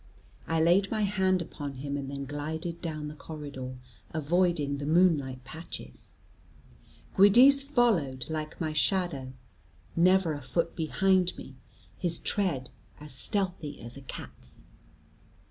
I laid my hand upon him, and then glided down the corridor, avoiding the moonlight patches. Giudice followed, like my shadow, never a foot behind me, his tread as stealthy as a cat's.